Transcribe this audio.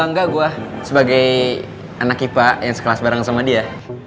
enggak gue sebagai anak pipa yang sekelas bareng sama dia